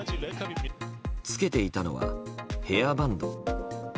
着けていたのはヘアバンド。